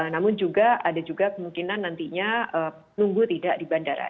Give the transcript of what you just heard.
namun juga ada juga kemungkinan nantinya nunggu tidak di bandara